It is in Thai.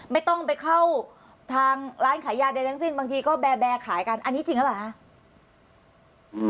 ไม่ต้องไปเข้าทางร้านขายยาใดทั้งสิ้นบางทีก็แบร์แบร์ขายกันอันนี้จริงหรือเปล่าคะ